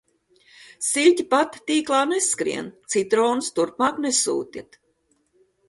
Siļķe pati tīklā neskrien. Citronus turpmāk nesūtiet.